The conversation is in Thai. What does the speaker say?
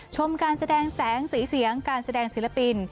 ชมการแสดงแสงสีเสียงการแสดงศิลปิน